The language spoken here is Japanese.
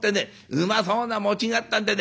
うまそうな餅があったんでね